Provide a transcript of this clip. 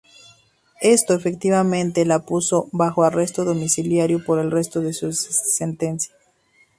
Esto efectivamente la puso bajo arresto domiciliario por el resto de su sentencia.